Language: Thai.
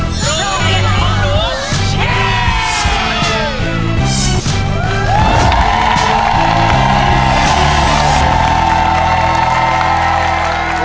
เชียม